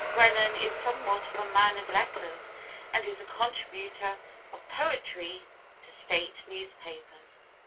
Brennan is somewhat of a man of letters and is a contributor of poetry to State newspapers.